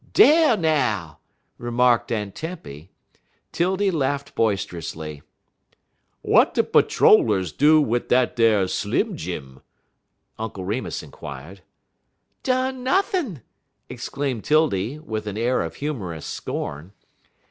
"Dar now!" remarked Aunt Tempy. 'Tildy laughed boisterously. "W'at de patter rollers do wid dat ar Slim Jim?" Uncle Remus inquired. "Done nothin'!" exclaimed 'Tildy, with an air of humorous scorn.